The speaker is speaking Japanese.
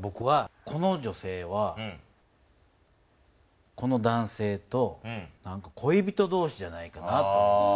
ぼくはこの女性はこの男性とこい人同士じゃないかなと思うのね。